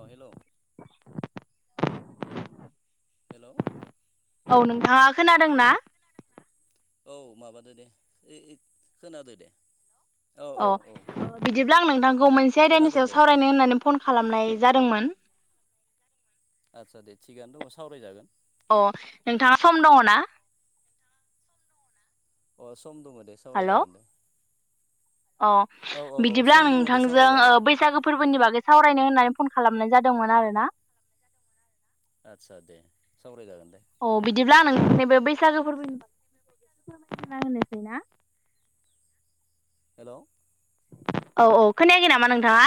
अ hello hello औ नोंथाङा खोनादों ना? औ माबादों दे ओइ ओ खोनादो दे। औ अ औ औ बिदिब्ला आं नोंथांखौ मोनसे आयदानि खोनादों सायाव दे सावरायनो होननानै फन खालामनाय जादोंमोन। आदसा दे थिगआनो दङ सावरायजागोन। अ नोंथाङा सम दङ ना? अ सम दङ दे हेल' सावरायजागोन दे। अ औ औ औ बिदिब्ला सम आं दङ दे नोंथांजों ओ सावरायजागोन बैसागो फोरबोनि बागै सावरायनो होननानै फन खालामनाय जादोंमोन आरोना। आदसा दे सावरायजागोन दे। अ बिदिब्ला नों नैबे बैसागो फोरबोनि फोरमायना होनोसै ना। हेल'। औ औ खोनायाखै नामा नोंथाङा?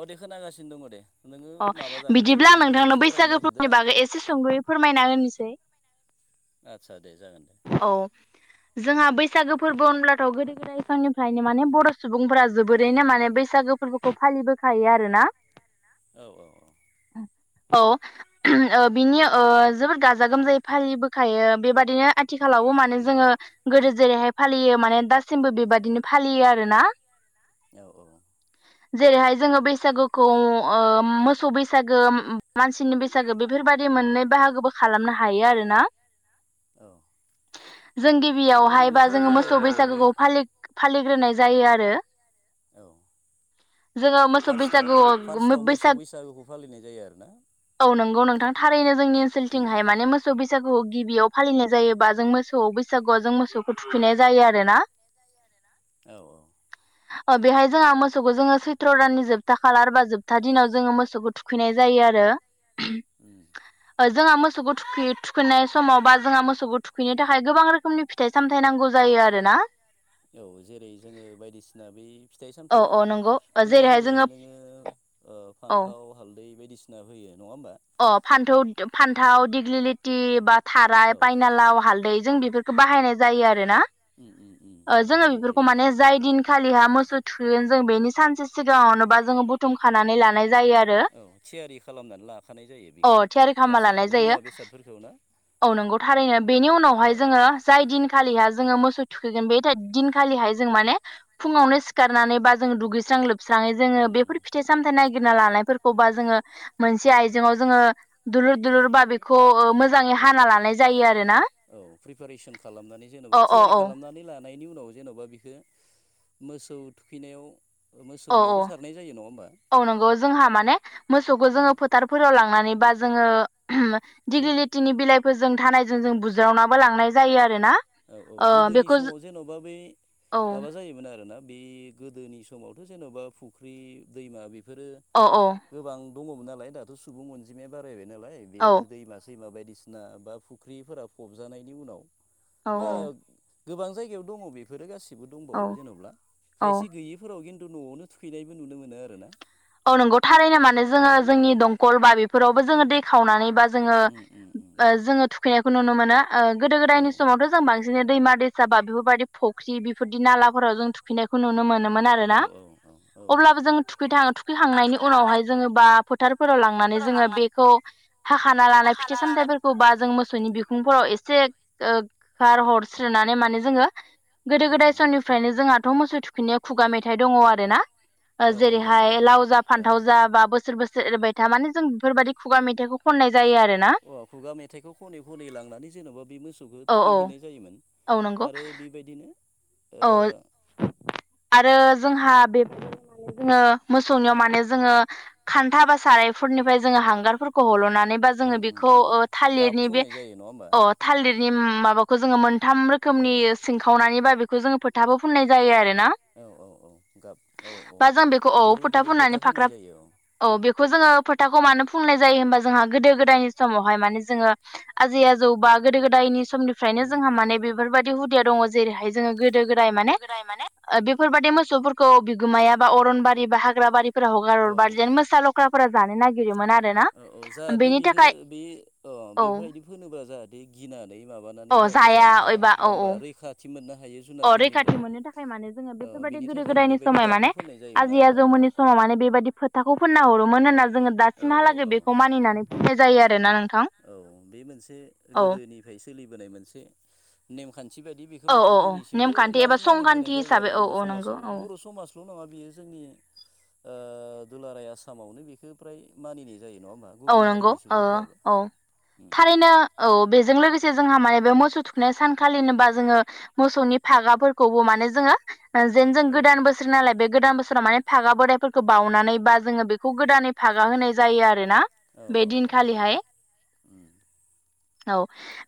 अ दे खोनागासिनो दङ दे। नोङो अ माबा जागोन दे बिदिब्ला आं जि नोंथांनो सावरायनो बैसागो नागिरदो फोरबोनि बागै एसे सुंदयै फोरमायना होनोसै। आदसा दे जागोन दे। औ जोंहा बैसागो फोरबो होनब्लाथ' गोदो गो बैफांनिफ्रायनो माने बर' सुबुंफोरा जोबोरैनो माने बैसागो फोरबोखौ फालिबोखायो आरोना। [inaudible] औ औ औ। औ। ओ बिनि ओ जोबोद गाजा गोमजायै फालिबोखायो बेबादिनो आ थिखालावबो माने उम जोङो गोदो जेरैहाय फालियो माने दासिमबो बेबादिनो फालियो आरोना। औ औ। जेरैहाय जोङो बैसागुखौ ओ मोसौ बैसागो मानसिनि बै सागो बेफोरबायदि मोननै बाहागोबो खालामनो हायो आरोना। औ। जों गिबियावहाय बा ओरैनोथ' जोङो मोसौ नैबे बैसागुखौ फालि फालिग्रोनाय जायो आरो। औ जोङो मोसौ फार्स्टआव बैसागुआव फार्स्टआव बैसाग मोसौ बैसागुखौ फालिनाय जायो आरो ना। औ नंगौ नोंथां थारैनो जोंनि उम ओनसोलथिंहाय उम माने मोसौ बैसागुखौ गिबियाव फालिनाय जायोबा जों मोसौ बैसागुआव जों मोसौखौ थुखैनाय जायो आरोना। औ औ। [unintelligible] औ बेहाय जोंहा मोसौखौ जोङो सैथ्र' दाननि जोबथा खालार बा जोबथा दिनाव जोङो मोसौखौ थुखैनाय जायो आरो। [unintelligible] उम जोंहा मोसौखौ थुखैयो थुखैयनाय समाव बा जोंहा मोसौ मोसौखौ थुखैनो थाखाय गोबां रोखोमनि फिथाइ सामथाय नांगौ जायो आरो ना। जेरै जोङो बायदिसिना बि फिथाइ औ सामथायाइ औ नंगौ होयो जेरैहाय जेरै जोङो नोङो ओ औ फान्थाव हालदै बायदिसिना होयो नङा होनोमबा? अ फान्थ फान्थाव दिग्लिलिथि बा थाराय औ पायनालाव हालदै जों बेफोर बाहायनाय जायो आरो ना। ओम ओम बाहायनाय जायो। जाय दिनखालिहा मोसौ थुगोन जों बेनि सानसे सिगाङावनोबा जोङो बुथुमखानानै लानाय जायो आरो। औ थियारि खालामनानै लाखानाय जायो। औ बेखौ थियारि खालामा लानाय गासैखौबो जायो, मुवा बेसादफोरखौ ना औ नंगौ थारैनो बेनि औ उनावहाय जोङो जाय दिनखालिहा जोङो मोसौ थुखैगोन बे दिनखालिहाय जों माने फुङावनो सिखारनानै बा जों दुगैस्रां लोब स्राङै जोङो उम उम बेफोर फिथाइ सामथाइ नायगिरना लानायफोरखौ बा जोङो मोनसे‌ आइ जेंआव जोङो दुलुर दुलुर बा बेखौ ओ मोजाङै हाना लानाय जायो आरो ना। औ प्रिपेरेसन खालामनानै जेनेबा अ थियारि औ खालामनानै ला नायनि उनाव जेन'बा बिखो, मोसौ थुखैनायाव औ मोसौनियावबो औ सारनाय जायो नङा होमबा औ नंगौ जोंहा माने मोसौखौ जोङो उम फो थारफोराव लांनानै बा जोङो औ डिग्लिलि थिनि बिलाइफोरजों धानायजों जों बुज्रावनाबो लांनाय जायो आरोना। औ औ गोदोनि समाव जेन'बा बै औ माबा जायोमोन आरोना बेयो गोदोनि समावथ' जेन'बा फुख्रि दैमा बेफोरो अ औ। गोबां दङमोन नालाय दाथ' सुबुं अनजिमाया बारायबाय नालाय बे औ जि दैमा दैमा बायदिसिना बा फुख्रिफोरा फबजानायनि उनाव औ बा गोबां जायगायाव दङ बेफोरो गासिबो औ दंबावो जेनेब्ला, औ खायसे गैयै फोराव खिन्थु न'आवनो थुखैनायबो नुनो मोनो आरोना। औ नंगौ थारैनो माने औ जोङो जोंनि दंखल बा बेफोरावबो जोङो दै खावनानै बा जोङो उम ओ जोङो थुखैनायखौ नुनो मोनो, ओ गोदो गोदायनि समावथ' बांसिन दैमा दैसा बा बेफोरबायदि फख्रि बेफोरबायदि नालाफोराव जों थु‌ खैनायखौ नुनो मोनोमोन आरोना उम उम औ अब्लाबो जों थुखैथां थुखैखांनायनि उनावहाय जोङो बा फोथारफोराव लांनानै जोङो बेखौ हाखाना लानाय फिथाइ सामथाइफोर खौ बा जों मोसौनि बिखुंफोराव एसे ओ खार हरस्रोनानै माने जोङो औ समनिफ्रायनो जोंहाथ' मोसौ थुखैनाय खुगा मेथाइ दङ आरो गोदो गोदाय समनिफ्रायनो जोंहाथ' मोसौ थुखैनायाव खुगा मेथाइ दङ आरोना, ना औ औ दङ दङ जेरैहाय दङ लाव जा फान्थाव जा बा बोसोर बोसोर एरबाय था माने जों बेफोरबायदि खुगा मेथाइखौ खननाय जायो आरो। ना अ खुगा मेथाइखौ खनै खनै लांनानै जेन'बा बे मोसौखौ औ औ थुखैहैनाय जायोमोन। औ नंगौ आरो बेबायदिनो ओ औ आरो जोंहा बे जोङो मोसौनियाव माने जोङो खान्था बा सारायफोरनिफ्राय जोङो हांगारफोरखौ हल'नानै जोङो उम उम बेखौ उम ओ गाब थालिरनि बे फुननाय जायो नङा होमबा अ थालिरनि माबाखौ जोङो मोनथाम रोखो औ खोमनि सिंखावनानै बा बेखौ जोङो फोथाबो फुननाय जायो आरो ना। औ औ औ गाब औ औ बेखौ औ दुलुर दुलुर फुननानै फोथा फाख्रा फोननाय जायो औ। औ बेखौ जोङो फोथाखौ मानो फुननाय जायो होमबा? जोंहा गोदो गोदायनि समावहाय माने जोङो आजै गोदायनि समनिफ्रायनो जोंहा माने बेफोरबायदि हुदाया दङ आजौ बा गोदो गोदायनि समनि फ्रायनो जोंहा माने बेफोरबायदि हुदाया दङ जेरैहाय जोङो गोदो गोदाय माने ओ बेफोरबादि मोसौफोरखौ बिगोमाया बा अरनबारि बा हाग्रा बारिफोराव हगार हरबा जेन मोसा ल' ख्राफोरा जानो नागिरोमोन आरो ना औ औ जाहाथे बिखो बि अ औ बेफोरबायदि फोनोबा जाहाथे गिनानै माबानानै औ जाहा थे जाया जानो हाया एबा नङा औ औ होमबा रैखाथि मोननो हायो अ रैखाथि जुनारफोरनिफ्राय मोननो थाखाय माने जोङो औ बेफोरबायदि बेनि गोदो थाखायनो गोदायनि बेबायदि समाय गाबखौ माने फोननाय जायोमोन आजै आरो नङा होमबा आजौमोननि समाव माने बेबायदि फो थाखौ फोनना हरोमोन होनना जोङो औ औ दासिमहालागै औ बेखौ मानिनानै फोननाय जायो आरोना नोंथां। औ बे मोनसे औ गोदोनिफाय सोलिबोनाय मोनसे नेमखान्थि बादि बे खौ औ औ औ दोनैसिमबो नेमखान्थि एबा मानो मानिबोनाय संखान्थि जायो आरो हिसाबै औ बर' औ नंगौ समाजाव औ बर' समाजल' नंङा बियो जोंनि ओ दुलाराय आसामावनो बेखो फ्राय मानिनाय जायो नङा होमबा? औ गुबुन नोंगौ हारिनि ओ सुबुंफोराबो औ उम उम थारैनो औ बेजों लोगोसे जोंहा माने बे मोसौ थुखैनाय सानखालिनो बा जोङो मोसौनि फागाफोरखौबो माने जोङो ओ जेन जों औ गोदान बोस सोर नालाय बे गोदान बोसोराव माने फागा बोरायफोरखौ बावनानै बा जोङो बेखौ गोदानै फागा होनाय जायो आरोना। औ बे औ औ दिनखालिहाय उम औ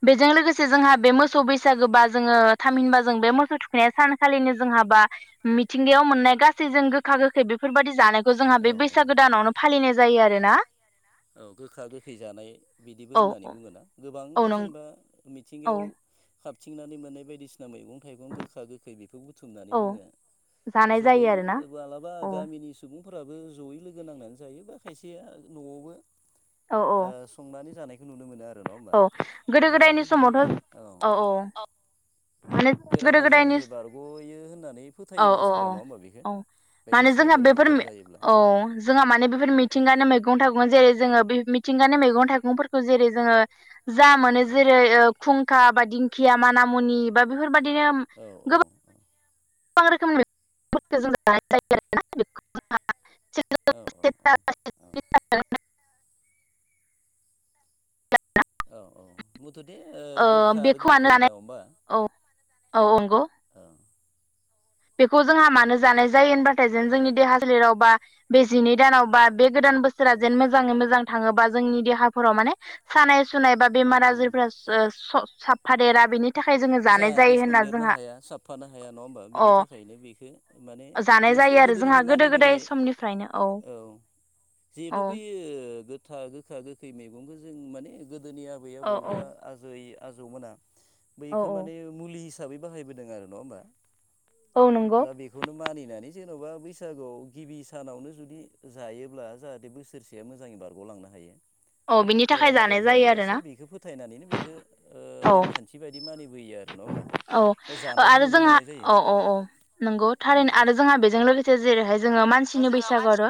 बेजों लोगोसे जोंहा बे मोसौ बैसागोबा जोङो थामहिनबा जों बे मोसौ थुखैनाया सानखालिनो जोंहाबा मिथिंगायाव मोननाय गासैजों गोखा गोख खै बेफोरबायदि जानायखौ जोंहा औ बे औ बैसागो दानावनो फालिनाय जायो आरोना। औ गोखा गोखै जानाय बिदिबो औ होननानै औ बुङोना गोबां औ नंगौ जेनेबा औ मिथिंगायाव खाबथिंनानै मोननाय बायदिसिना मैगं थाइगं गोखा गोखै बेखौ बु बुथुमनानै औ जोङो जानाय जायो जयै आरोना माब्लाबा औ गामिनि सुबुंफोराबो जयै लोगो नांनानै जायो बा खायसेया न'आवबो औ ओ संनानै जानायखौ नुनो मोनो आरो नङा औ गोदो होमबा गोदायनि जाहाथे बिनिफ्राय समावथ' औ। माने बेराम गोदो गोदायनि आजारनिफाय बारग'यो होननानै औ फोथायो औ औ मानसिफ्रा नङा होमबा बेखो। औ माने जोंहा बेफोर औ। जोंहा माने बेफोर मिथिंगानि मैगं थाइगं जेरै जोङो बे मिथिंगानि मैगं थाइगंफोरखौ जेरै जोङो जा मोनो औ जेरै ओ खुंखा बा दिंखिया मान मुनि बा बेफोरबादिनो औ औ औ। गोबां रोखोमनि [unintelligible] [unintelligible] औ औ औ। [unintelligible] औ औ मुथुथे ओ गोखा आरो बेखौ मानो गोखै जानाय नाव होमबा औ औ नंगौ औ। बेखौ जोंहा मानो जानाय जायो होनबाथाय जों जोंनि देहा सोलेराव बा बे जिनै दानाव बा बे गोदान बोस सोरा औ जेन मोजाङै मोजां थाङोबा जोंनि देहाफोराव माने सानाय सुनाय बा बेमार उम आजिरफोरा सु जो स साफ्फादेरा बिनि जाहादे सन्देरनो हाया साफानो हाया नङा होमबा? अ बिनि थाखायनो बेखो माने जानाय मोनसे जायो आरो जोंहा गोदोनिफाय गोदो गोदाय मानिबोनाय समनिफ्रायनो औ जिहेथु औ बेयो गो था गोखा गोखै मेगंखौ जों माने गोदोनि आबै आबौ औ बा आजै आजौमोना औ बैखो औ माने मुलि हिसाबै बाहायबोदों आरो नङा होमबा? औ नंगौ दा बे खौनो मानिनानै जेन'बा बैसागुआव गिबि सानावनो जुदि जायोब्ला जाहाथे बोस सोरसेया मोजाङै बारग'लांनो हायो। औ बिनि थाखाय बेराम आजार जानाय जायो जायाजासे आरोना बेखौ फोथायनानैनो बेखौ ओ औ नेमखान्थि। बायदि मानिबोयो आरो नङा होमबा औ बा जानायखौ आरो नुनो जोंहा मोननाय जायो औ औ औ नंगौ उम थारैनो आरो। जोंहा बेजों लोगोसे जेरैहाय जोङो मानसिनि जोङो बैसागु मानसि आरो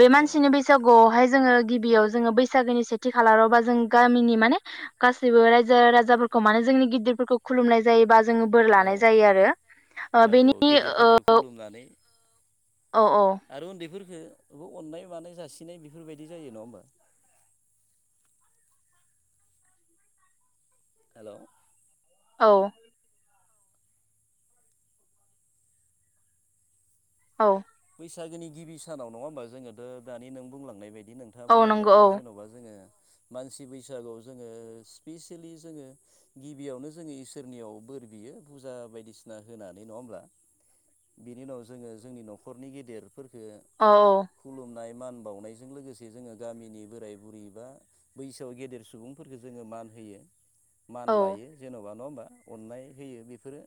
बे औ मानसिनि बै। बैसागुआवहाय जोङो गिबियाव जोङो बैसागोनि सेथि खालारावबा जों गामिनि माने। गासैबो रायजो राजाफोरखौ माने जोंनि गिदिर फोरखौ। खुलुमनाय जायो बा जोङो बोर औ लानाय जायो आरो औ औ बेनि गेदेरफोरखौ ओ। खुलुमनानै औ औ। आरो उन्दैफोरफोरखौ अननाय मानाय जासिनाय बेफोरबायदि जायो नङा होमबा‌। हेल'। औ। औ। बैसागोनि गिबि सानाव नङा होमबा जोङोथ' दानि नों बुंलांनाय बायदि नों। खोथा औ बुंलांनाय नंगौ औ बायदि जेन'बा जोङो मानसि बैसागुआव जोङो स्पिेसियेलि जोङो। गिबियावनो जोङो इसोरनियाव बोर बियो फुजा बायदिसिना होनानै नङा होमब्ला। बेनि उनाव जोङो जोंनि न'खरनि गेदेरफोरखौ। औ औ। खुलुमनाय मान बावनायजों लोगोसे जोङो गामिनि बोराय बुरै बा। बैसोआव गेदेर सुबुंफोरखौ जोङो मान होयो मान औ लायो। जेन'बा नङा होमबा अननाय होयो बेफोरो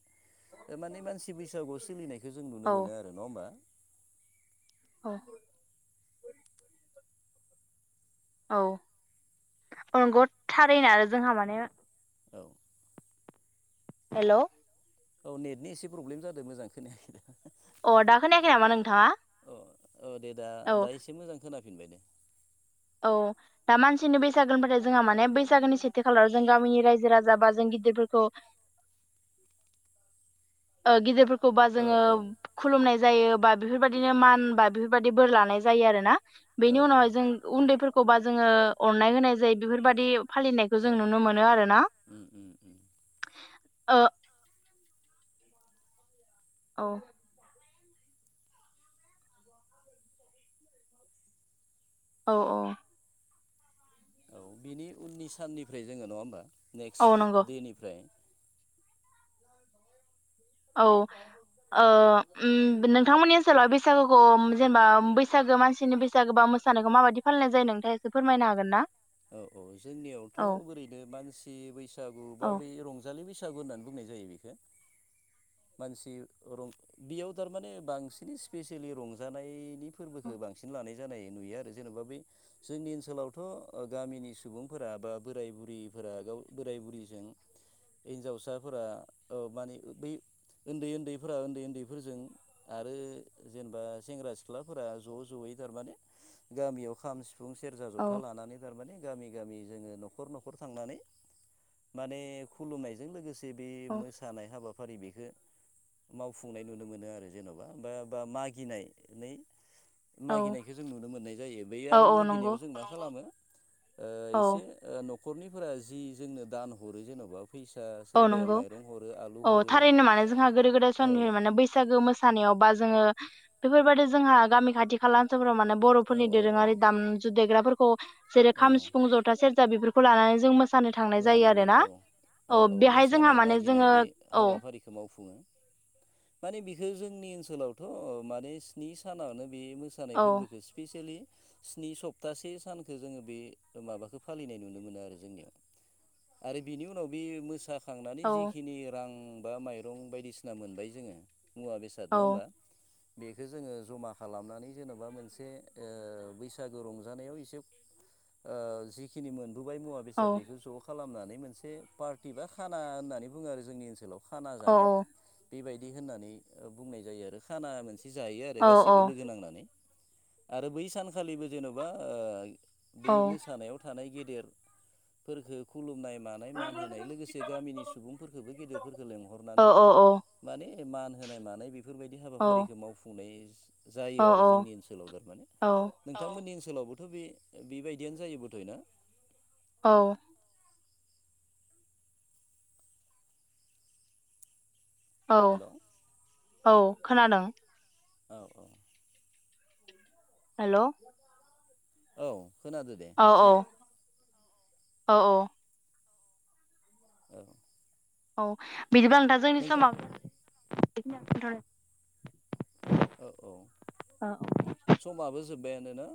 माने मानसि बैसागुआव सोलिनायखायो। बेखौ जों नुनो औ मोनो आरो नङा होमबा। औ औ औ नंगौ थारैनो आरो जोंहा माने। औ हेल'। औ नेटनि एसे प्रब्लेम जादों मोजां खोनायाखै दा। अ दा खोनायाखै नामा नोंथाङा। अ औ दे दा औ दा एसे मोजां खोनाफिनबाय दे। औ। दा मानसिनि बैसागो होनबाथाय जोंहा माने बैसागोनि सेथि खालाराव जों गामिनि रायजो राजा बा जों गिदिरफोरखौ ओं गिदिरफोरखौबा औ जोङो औ खुलुमनाय जायो बा बेफोरबायदिनो मान बा बेफोरबायाददि बोर लानाय जायो आरोना औ बेनि औ उनावहाय जों। उन्दैफोरखौबा जोङो अननाय होनाय जायो बेफोरबायदि। फालिनायखौ औ जों नुनो मोनो आरोना। उम उम उम औ औ औ औ बिनि उननि साननिफ्राय जोङो नङा होमबा औ नंगौ नेक्स्ट देनिफ्राय। औ नोंथांमोननि ओनसोलाव बैसागुखौ जेनेबा बैसागो मानसिनि बैसागो बा मो मोसानायखौ माबायदि फालिनाय जायो नोंथाङा इसे फोरमायनो हागोनना औ औ जोंनियावथ' ओरैनो मानसि बैसागु बा औ बै रंजा रंजालि बैसागु होननानै बुंनाय जायो बेखौ। मानसि बेयाव थारमाने बांसिन स्पेसियेलि रंजानायनि। फोरबोखौ बांसिन लानाय जानाय नुयो आरो जेन'बा बे। जोंनि ओनसोलावथ' गामिनि सुबुंफोरा बा बोराय बुरिफोरा गाव बोराय बुरैजों। हिनजावसाफोरा माने बै उन्दै उन्दैफोरा उन्दै उन्दैफोरजों। आरो जेनेबा सेंग्रा सिख्लाफोरा ज' ज'यै थारमाने गामियाव खाम सिफुं फुं सेरजा औ जथा लानानै थारमाने गामि गामि जोङो न'खर न'खर थांनानै माने खुलुमनायजों लोगोसे जे बे औ मोसानाय हाबाफारि बेखौ मावफुंनाय नुनो मोनो आरो जेन'बा बा बा मागिनानै औ मागिनायखौ जों नुनो मोननाय जायो। बै औ आरो औ नंगौ मागिनायाव जों मा खालामो औ एसे ओ न'खरनिफोरा जि जोंनो दान हरो जेन'बा फैसा औ सोरबाया नंगौ माइरं, हरो आलु, औ हरो थारैनो मानो जोंहा गोदो गोदाय औ समनि माने बैसागो मोसा मोसानायाव बा जोङो बेफोरबायदि जोंहा गामि खाथि खाला ओनसोलफोराव औ बर'फोरनि औ औ दोरोङारि दाम जु देग्राफोरखौ जेरै- औ खाम, सिफुं, जथा, सेरजा, बेफोरखौ लानानै जों मोसा लानानै औ औ औ बेहाय जोंहा मोसानाय माने मागिनाय जोङो बे औ हाबाफारिखौ मावफुङो। माने बिखौ जोंनि ओनसोलावथ' माने स्नि सानावनो बे मोसा मोसानाय औ फोरबोखौ स्पिसियेलि स्नि सप्तासे सानखौ जोङो बे माबाखौ फालिनाय नुनो मोनो आरो जोंनियाव। आरो बिनि उनाव बे मोसाखांनानै औ जिखिनि रां बा माइ दं बायदिसिना मोनबोयो जोङो मुवा बेसाद औ नङा होमबा बेखौ जोङो जमा खालामनानै जेन'बा मोनसे ओ बैसागो रंजानायाव एसे ओ जिखिनि मोनबोबाय मुवा औ बेसाद बेखौ ज' खालामनानै मोनसे पार्टि बा खाना होननानै बुङो आरो जोंनि ओनसोलाव। खाना औ जानाय बेबायदि होननानै बुंनाय जायो। आरो खाना मोनसे जायो आरो औ गासैबो औ लोगो नांनानै आरो बै सानखालिबो जेन'बा ओ बै औ मोसानायाव थानाय गेदेर फोरखो खुलुमनाय मानाय मान होनाय लोगोसे गामिनि सुबुंफोरखोबो गेदेरफोरफोरखो औ लेंहरनानै औ माने मान होनाय मानाय बेफोरबायदि हाबाफारिखौ मावफुंनाय जायो आरो जोंनि ओनसोलाव थारमाने। नोंथांमोननि ओनसोलावबोथ' बे बेबायदियानो जायोबोथ' ना। औ। औ। औ खोनादों। औ औ। हेल'। औ खोनादों। औ औ औ औ। औ। औ बिदिब्ला नोंथां जोंनि समा औ औ समाबो जोब्बायानोना।